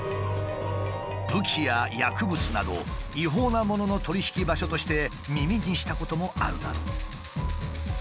武器や薬物など違法なものの取り引き場所として耳にしたこともあるだろう。